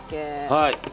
はい。